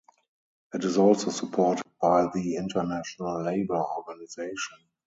It is also supported by the International Labour Organization.